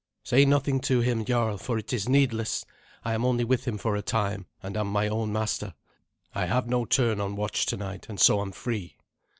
"Say nothing to him, jarl, for it is needless. I am only with him for a time, and am my own master. I have no turn on watch tonight, and so am free."